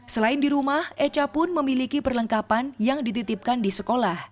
selain di rumah eca pun memiliki perlengkapan yang dititipkan di sekolah